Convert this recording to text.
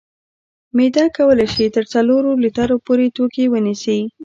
معده کولی شي تر څلورو لیترو پورې توکي ونیسي.